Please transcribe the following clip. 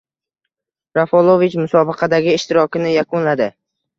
Rafalovich musobaqadagi ishtirokini yakunladi